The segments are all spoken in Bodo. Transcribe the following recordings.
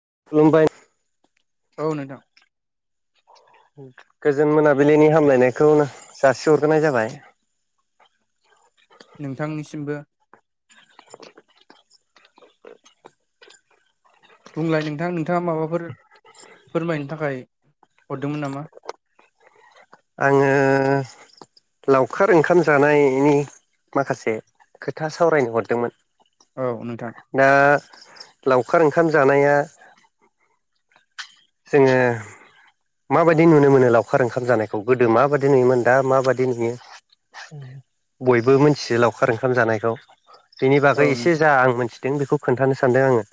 [unintelligible] औ नोंथां गोजोन मोनाबिलिनि हामलायनायखौनो जासिहरग्रोनाय जाबाय नोंथांनिसिमबो बुंलाय नोंथां नोंथाङा माबाफोर फोरमायनो थाखाय हरदोंमोन नामा? आङो लावखार ओंखाम जानायनि माखासे खोथा सावरायनो हरदोंमोन औ नोंथां दा लावखार ओंखाम जानाया जोङो माबायदि नुनो मोनो लावखार ओंखाम जानायखौ गोदो माबायदि नुयोमोन दा माबायदि नुयो बयबो मोनथियो लावखार ओंखाम जानायखौ बेनि औ बागै नों एसे जा मिथि दों बेखौ खोन्थानो सानदों आङो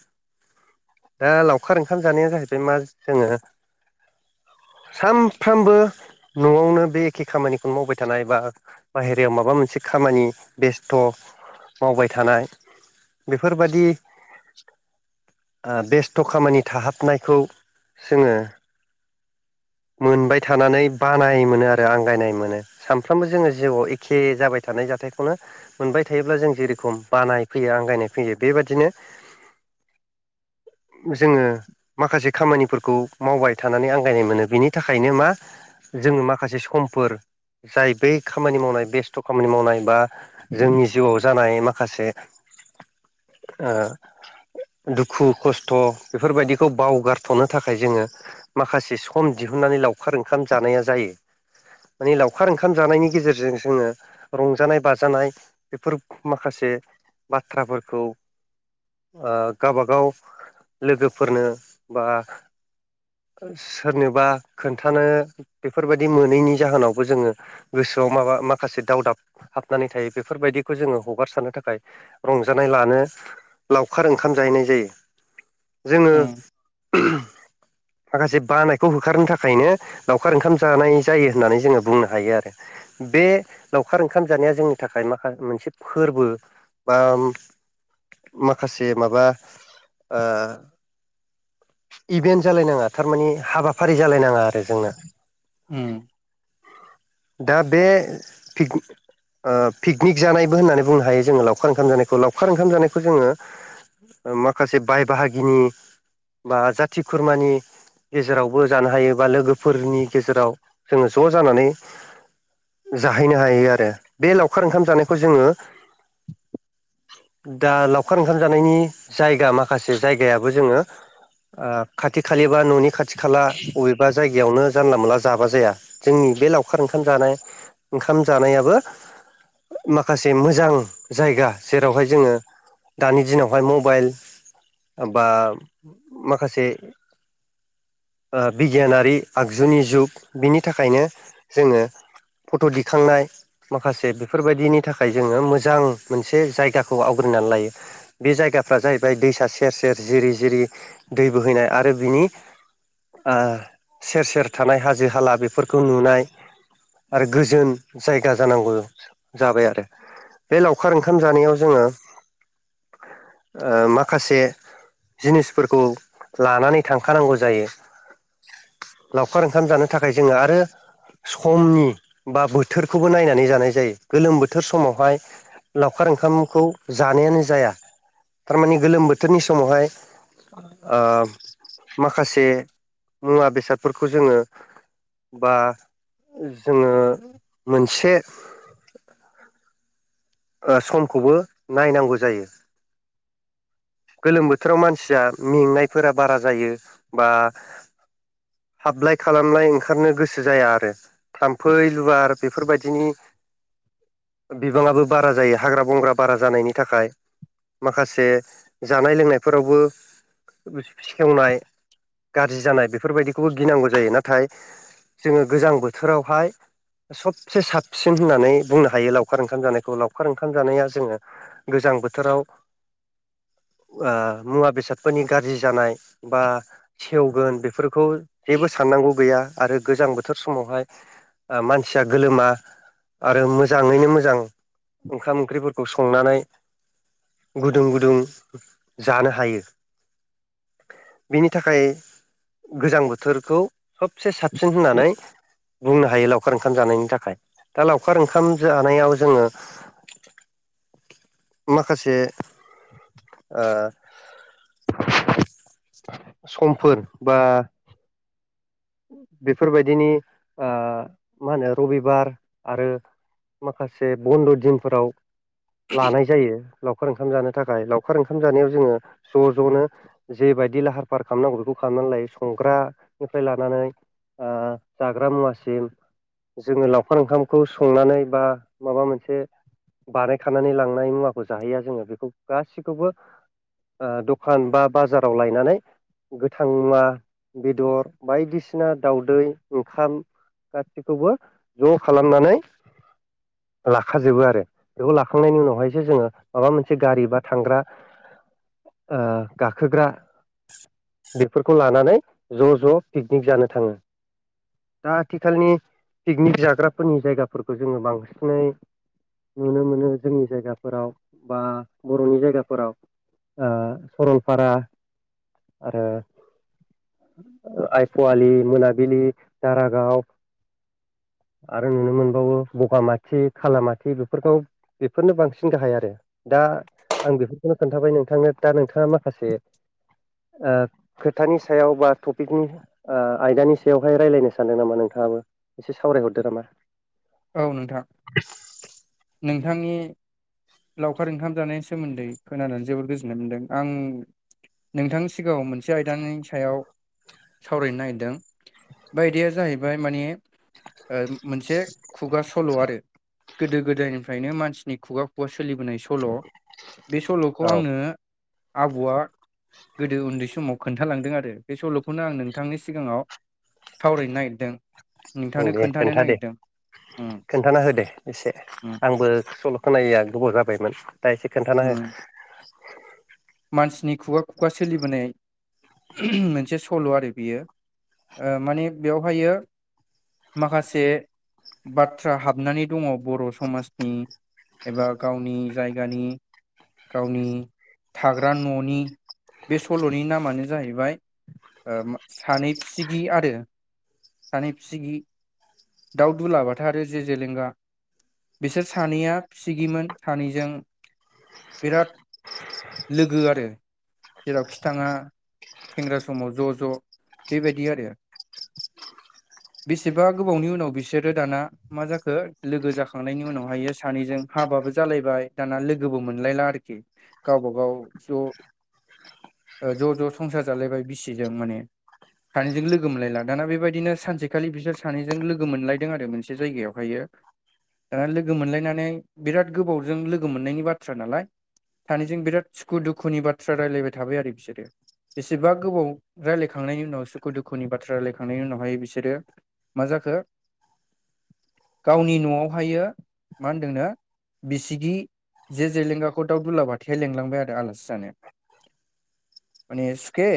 दा लावखार ओंखाम जानाया जाहैबाय मा। जोङो सानफ्रोमबो न'आवनो बे एखे खामानिखौनो मावबाय थानाय बा बाहेरायाव माबा मोनसे खामानि बेस्थ' मावबाय थानाय बेफोरबादि बेस्थ' खामानि थाहाबनायखौ जोङो मोनबाय थानानै बानाय मोनो आरो आंगायनाय मोनो सानफ्रोमबो जोङो जिउआव एखे जाबाय था हरनाय जाथायखौनो मोनबाय थायोब्ला जों जेरेखम बानाय फैयो आंगायनाय फैयो बेबायदिनो [inaudible] जोङो माखासे खामानिफोरखौ मावबाय थानानै आंगायनाय मोनो बिनि थाखायनो मा जोङो माखासे समफोर जाय बै खामानि मावनाय बेस्थ' खामानि मावनाय बा जोंनि जिउआव जानाय माखासे ओ दुखु खस्थ' बेफोरबायदिखौ बावगारथ'नो थाखाय जोङो माखासे सम दिहुननानै लावखार ओंखाम जानाया जायो । माने लावखार ओंखाम जानायनि गेजेरजों जोङो रंजानाय बाजानाय बेफोर माखासे [inaudible] बाथ्राफोरखौ ओ गबागाव लोगोफोरनो बा सोरनोबा खोन्थानो बेफोरबायदि मोनैनि जाहोनावबो जोङो गोसोआव माबा माखासे दावदाब हाबनानै थायो बेफोरबायदिखौ जोङो हगारसारनो थाखाय रंजानाय लानो लावखार ओंखाम जाहैनाय जायो। जोङो उम माखासे बानायखौ होखारनो थाखायनो लावखार ओंखाम जानाय जायो। होननानै जोङो बुंनो हायो आरो बे लावखार ओंखाम जानाया जोंनि थाखाय माखा मोनसे फोरबो बा माखासे माबा ओ इभेन्ट जालाय नाङा । थारमाने हाबाफारि जालायनाङा आरो जोंना। उ दा बे फिग ओ पिकनिक जानायबो होननानै बुंनो हायो जोङो लावखार ओंखाम जानायखौ लावखार ओंखाम जानायखौ जोङो ओ माखासे बाय बाहागिनि बा जाथि खुरमानि गेजेरावबो जानो हायो बा लोगोफोरनि गेजेराव जोङो ज' जानानै जाहैनो हायो आरो बे लावखार ओंखाम जानायखौ जोङो दा लावखार ओंखाम जानायनि जायगा माखासे जायगायाबो जोङो ओ खाथि खालेबा न'नि खाथि खाला बबेबा जायग जयावनो जानला मोनला जाबा जाया जोंनि बे लावखार ओंखाम जानाय ओंखाम जानायाबो माखासे मोजां जायगा जेरावहाय जोङो दानि दिनावहाय मबाइल बा माखासे ओ बिगियानारि आगजुनि जुग, बिनि थाखायनो जोङो फट' दिखांनाय माखासे बेफोरबादिनि थाखाय जोङो मोजां मोनसे जायगाखौ आवग्रि ना लायो। बे जायगाफ्रा जाहैबाय दैसा सेर सेर जिरि जिरि दै बोहैनाय आरो बिनि ओ सेर सेर थानाय हाजो हाला बेफोरखौ नुनाय आरो गोजोन जायगा जानांगौ जाबाय आरो। बे लावखार ओंखाम जानायाव जोङो ओ माखासे जिनिसफोरखौ लानानै थां खानांगौ जायो। लावखार ओंखाम जानो थाखाय जों आरो समनि बा बोथोरखौबो नायनानै जानाय जायो। गोलोम बोथोर समावहाय लावखार ओंखामखौ जानायानो जाया। थारमाने गोलोम बोथोरनि समावहाय ओ माखासे मुवा बेसादफोरखौ जोङो बा जोङो मोनसे ओ समखौबो नायनांगौ जायो। गोलोम बोथोराव मानसिया मेंनायफोरा बारा जायो बा हाबलाय खालामलाय ओंखारनो गोसो जाया आरो। थाम्फै लुवार बेफोरबादिनि बिबाङाबो बारा जायो, हाग्रा बंग्रा बारा जानायनि थाखाय माखासे जानाय लोंनायफोरावबो सेवनाय गारजि जानाय बेफोरबायदिखौबो गिनांगौ जायो। नाथाय जोङो गोजां बोथोरावहाय सबसे साबसिन होननानै बुंनो हायो लावखार ओंखाम जानाय खौ। लावखार ओंखाम जानाया जोङो गोजां बोथोराव ओ मुवा बेसादफोरनि गाज्रि जानाय बा सेवगोन बेफोरखौ जेबो सान नांगौ गैया आरो गोजां बोथोर समावहाय मानसिया गोलोमा। आरो मोजाङैनो मोजां ओंखाम ओंख्रिफोरखौ संनानै गुदुं गुदुं जानो हायो। बिनि थाखाय गोजां बोथोरखौ सबसे साबसिन होननानै बुंनो हायो लावखार ओंखाम जानायनि थाखाय। दा लावखार ओंखाम जानायाव जोङो [inaudible] माखासे ओ समफोर बा बेफोरबायदिनि ओ मा होनो रबिबार आरो माखासे बन्द' दिनफोराव लानाय जायो लावखार ओंखाम जानो। थाखाय लावखार ओंखाम जानायाव जोङो ज' ज'नो जेबायदि लाहार फाहार खालामनांगौ बेखौ खालामनानै लायो सं ग्रानिफ्राय लानानै जाग्रा मुवासिम। जोङो लावखार ओंखामखौ संनानै बा माबा मोनसे बानायखानानै लांनाय मुवाखौ जाहैया जोङो, बेखौ गासिखौबो ओ दखान बा बाजाराव लायनानै गोथां मुवा बेदर बायदिसिना दाउदै, ओंखाम गासिखौबो ज' खालामनानै लाखाजोबो आरो बेखौ लाखांनायनि उनावहायसो, जोङो माबा मोनसे गारि बा थांग्रा ओ गाखोग्रा बेफोरखौ लानानै ज' ज' पिकनिक जानो थाङो। दा आथिखालनि पिकनिक जाग्राफोरनि जायगाफोरखौ जोङो बांसिनै नुनो मोनो जोंनि जायगाफोराव बा बर'नि जायगाफोराव। ओ सरलपारा आरो ओ आइ पुवालि, मोनाबिलि, दारागाव आरो नुनो मोनबावो बगामाथि, खालामाथि बेफोरखौ बेफोरनो बांसिन गाहाय आरो। दा दा आं बेफोरखौनो खोन्थाबाय नोंथांनो। दा नोंथाङा माखासे ओ खोथानि सायाव बा टपिकनि आयदानि सायावहाय रायज्लायनो सानदों नामा नोंथाङाबो एसे सावरायहरदो नामा? औ नोंथां नोंथांनि लावखार ओंखाम जानायनि सोमोन्दै खोनानानै जोबोर गोजोननाय मोन्दों आं नोंथां सिगाङाव मोनसे आयदानि सायाव सावरायनो नागिरदों। बे आयदाया जाहैबाय माने मोनसे खुगा सल' आरो गोदो गोदायनिफ्रायनो मानसिनि खुगा खुगा सोलिबोनाय सल' बे सल'खौ औ आनो आबौआ गोदो उन्दै समाव खोन्थालांदों आरो बे सल'खौनो आं नोंथांनि सिगाङाव थावरैनो नागिरदों नोंथांनो दे खोन्थानो खोन्था दे नागिरदों। उम खोन्थाना हो दे एसे उम आंबो सल' खोनायो। गोबाव जाबायमोन दा एसे खोन्थाना उम हो मानसिनि खुगा खुगा सोलिबोनाय। मोनसे सल' आरो बेयो ओ माने बेवहायो माखासे बाथ्रा हाबनानै दङ बर' समाजनि एबा गावनि जायगानि गावनि थाग्रा न'नि बे सल'नि नामानो जाहैबाय ओ सानै फिसिगि आरो सानै फिसिगि दाउदुलाबाथा आरो जे जेलेंगा बिसोर सानैया फिसिगिमोन सानैजों बिराद लोगो आरो। जेरावखिथाङा सेंग्रा समाव ज' ज' बेबायदि आरो। [unintelligible] बेसेबा गोबावनि उनाव बिसोरो दाना मा जाखो लोगो जाखांनायनि उनावहायो सानैजों हाब बाबो जालायबाय दाना लोगोबो मोनलायला आरोखि गावबा गाव ज' ओ ज' ज' संसार जालायबाय बिसिजों माने सानैजों लोगो मोनलायला दाना बेबायदिनो सानसेखालि बिसोर सानैजों लोगो मोनलायदों आरो मोनसे जायगायावहायो। दाना लोगो मोनलायनानै बिराद गोबावजों लोगो मोननायनि बाथ्रा नालाय सानैजों बिराद सुखु दुखुनि बाथ्रा रायलायबाय थाबाय आरो बिसोरो बेसेबा गोबाव रायजलायखांनायनि उनाव सुखु दुखुनि बाथ्रा रायलायखांनायनि उनावहाय बिसोरो मा जाखो? [unintelligible] गावनि न'आवहायो मा होनदोंनो। बिसिगि जे जेलेंगाखौ दाउ दुलाबाथाया लिंलांबाय आरो आलासि जानो माने सुखे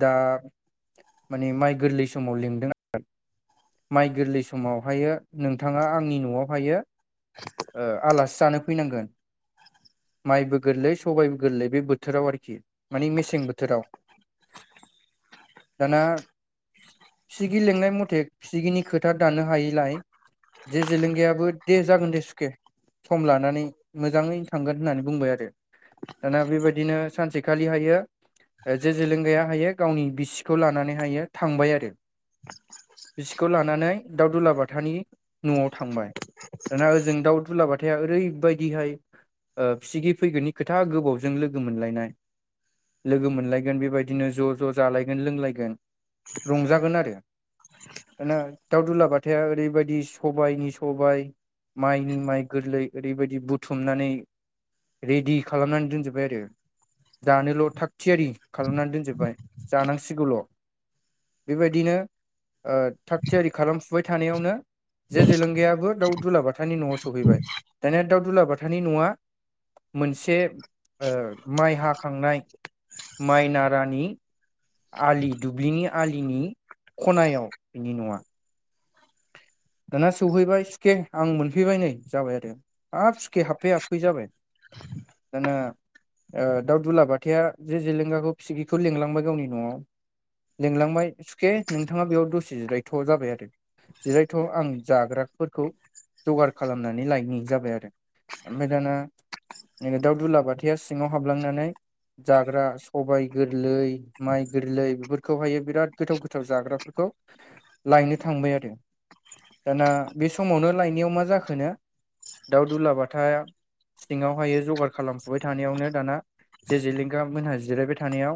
दा माने माइ गोरलै समाव लिंदों आरो। माइ गोरलै समावहायो नोंथाङा आंनि न'आवहायो ओ आलासि जानो फैनांगोन। माइबो गोरलै सबायबो गोरलै बे बोथोराव आरोखि माने मेसें बोथोराव दाना बिसिगि लेंनाय मथे बिसिगिनि खोथा दानो हायिलाय जे जेलेंगायाबो दे जागोन दे सुखे सम लानानै मोजाङैनो थांगोन होननानै बुंबाय आरो दाना बेबायदिनो सानसेखालि हायो। जे जेलेंगाया हायो गावनि बिसिखौ लानानैहायो थांबाय आरो बिसिखौ लानानै दाउदुलाबाथानि न'आव थांबाय दाना ओजों दाउ दुलाबाथाया ओरैबायदिहाय ओ बिसिगि फैगोननि खोथा गोबावजों लोगो मोनलायनाय लोगो मोनलायगोन बेबायदिनो ज' ज' जालायगोन लोंलायगोन। रंजागोन आरो। दाना दाउ दुलाबथाया ओरैबायदि सबायनि सबाय माइनि माइ गोरलै ओरैबायदि बुथुमनानै रेडि खालामनानै दोनजोबबाय आरो। जानोल' थाग थियारि खालामनानै दोनजोबबाय जानांसिगौल' बेबायदिनो ओ थाग-थियारि खालामफुबाय थानायावनो जे जेलेंगायाबो दाउ दुलाबाथानि न'आव सहैबाय। दानिया दाउ दुलाबाथानि न'आ मोनसे ओ माइ हाखांनाय माइ नारानि आलि दुब्लिनि आलिनि खनायाव बिनि न'आ। [unintelligible] दाना सौहैबाय सुखे आं मोनफैबाय नै जाबाय आरो हाब सुखे हाबफै हाबफै जाबाय। दाना ओ दाउ दुलाबाथाया जो जेलेंगाखौ फिसिगिखौ लिलांबाय गावनि न'आव लिंलांबाय सुके नोंथाङा बेयाव दसे जिरायथ' जाबाय आरो जिरायथ' आं जाग्राफोरखौ जगार खालामनानै लायनि जाबाय आरो। ओमफाय दाना नैबे दाउ दुलाबाथाया सिङाव हाबलांनानै जाग्रा सबाय गोरलै माइ गोरलै बेफोरखौहायो बिराद गोथाव गोथाव जाग्राफोरखौ औ लायनो थांबाय आरो। दे दाना बे समावनो लायनायाव मा जाखोनो दाउ दुलाबाथा सिङावहाय जगार खालामफुबाय थानायावनो दाना जो जेलेंगा मोनहा जिरायबाय थानायाव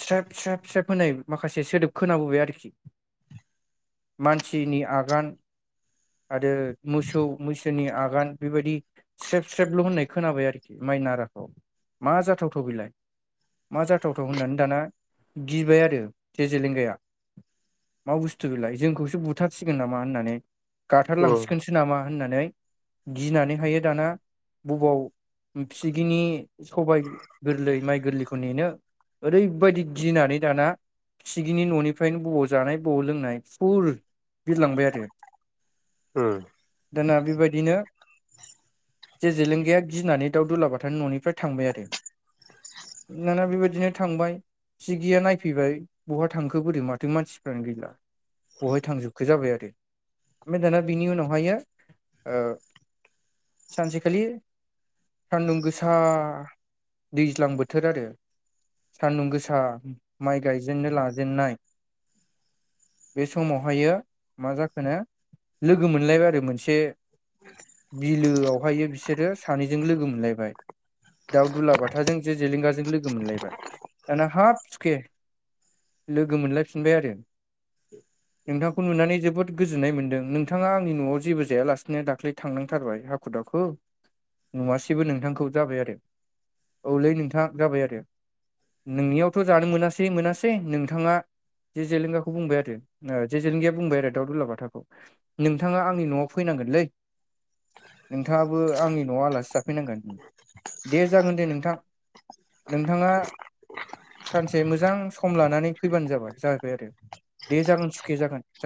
स्रेब स्रेब स्रेब होननाय माखासे सोदोब खोनाबोबाय आरोखि। मानसिनि आगान आरो मोसौ मैसोनि आगान बेबायदि स्रेब स्रेबल' होननाय खोनाबाय आरोखि। माइ नाराखौ मा जाथावथाव बिलाय? मा जाथावथाव होननानै दाना गिबाय आरो जो जेलेंगाया। मा बुस्थु बेलाय जोंखौसो बुथारसिगोन नामा होननानै उम गाथारलांसिगोनसो नामा होननानै गिनानै हायो दाना बबाव फिसिगिनि सबाय गोरलै, माइ गोरलैखौ नेनो ओरैबायदि गिनानै दाना फिसिगिनि न'निफ्रायनो बबाव जानाय बबाव लोंनाय फुर बिरलांबाय आरो। उम दाना बेबायदिनो जो जेलेंगाया गिनानै दाउ दुलाबाथानि न'निफ्राय थांबाय आरो। दाना बेबायदिनो थांबाय फिसिगिया नायफैबाय बहा थांखो बोरै माथो मानसिफ्रानो गैला। बहाय थांजोबखो जाबाय आरो? ओमफ्राय दाना बिनि उनावहायो ओ सानसेखालि सान्दुं गोसा दैज्लां बोथोर आरो। सान्दुं गोसा माइ गायजेननो लाजेनाय [inaudible] बे समावहायो मा जाखोनो लोगो मोनलायबाय आरो मोनसे बिलोआवहायो बिसोरो सानैजों लोगो मोनलायबाय। दाउ दुलाबाथाजों जे जेलेंगाजों लोगो मोनलायबाय दाना हाब सुखे! लोगो मोनलायफिनबाय आरो [inaudible] नोंथांखौ नुनानै जोबोद गोजोननाय मोनदों नोंथाङा आंनि न'आव जेबो जायालासिनो दाख्लै थांनांथारबाय हाखु दा खु नुवसेैबो नोंथांखौ। जाबाय आरो औलै नोंथाङा। जाबाय आरो नोंनियावथ' जानो मोनासै मोनासै नोंथाङा। जे जेलेंगाखौ बुंबाय आरो जे जेलेंगिया बुंबाय आरो दाउ दुलाबाथाखौ नोंथाङा आंनि न'आव फैनांगोनलै। नोंथाङाबो आंनि न'आ आलासि जाफैनांगोन। दे जागोन दे नोंथां। नोंथाङा सानसे मोजां सम लानानै फैबानो जाबाय जाहैबाय आरो दे जागोन सुखि जागोन जा।